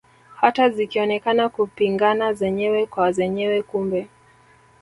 Hata zikionekana kupingana zenyewe kwa zenyewe kumbe